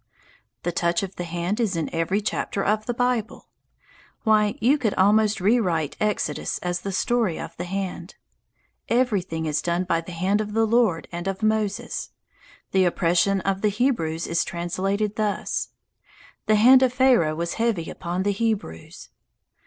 The touch of the hand is in every chapter of the Bible. Why, you could almost rewrite Exodus as the story of the hand. Everything is done by the hand of the Lord and of Moses. The oppression of the Hebrews is translated thus: "The hand of Pharaoh was heavy upon the Hebrews."